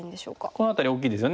この辺り大きいですよね。